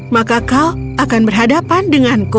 maka kau akan berhadapan denganku